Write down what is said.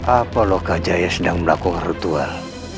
apa loh kejaya sedang melakukan ritual